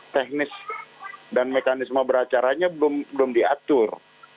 teknis dan mekanisme beracaranya belum diatur